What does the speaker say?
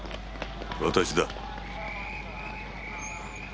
私だ。